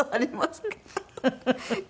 フフフフ！